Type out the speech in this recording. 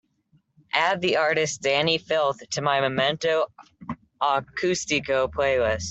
add the artist dani filth to my momento acústico playlist